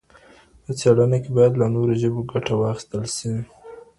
په څېړنه کي باید له نورو ژبو ګټه واخیستل سي.